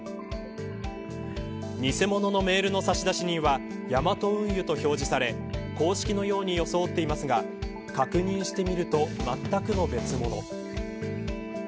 偽物のメールの差出人はヤマト運輸と表示され公式のように装っていますが確認してみるとまったくの別物。